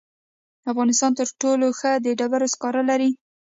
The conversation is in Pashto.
افغانستان تر ټولو ښه د ډبرو سکاره لري.